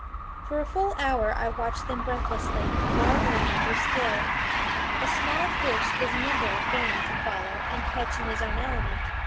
For a full hour I watched them breathlessly, marveling at their skill. A small fish is nimble game to follow and catch in his own element.